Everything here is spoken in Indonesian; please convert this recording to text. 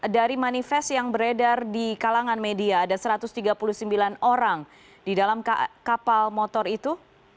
dari manifest yang beredar di kalangan media ada satu ratus tiga puluh sembilan orang di dalam kapal motor itu